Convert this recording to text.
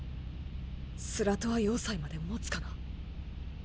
スラトア要塞まで保つかな。